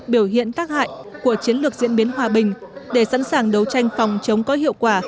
biểu hiện tác hại của chiến lược diễn biến hòa bình để sẵn sàng đấu tranh phòng chống có hiệu quả